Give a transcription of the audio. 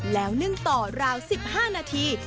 แล้วนึ่งต่อราว๑๕นาที